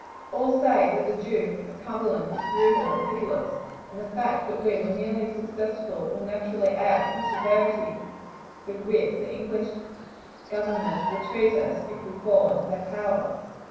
All say that the Duke of Cumberland is brutal and pitiless, and the fact that we were nearly successful will naturally add to the severity with which the English government will treat us if we fall into their power.